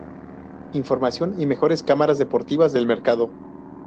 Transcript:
Información y mejores cámaras Deportivas del mercado